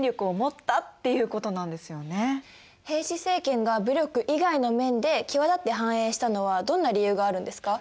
平氏政権が武力以外の面で際立って繁栄したのはどんな理由があるんですか？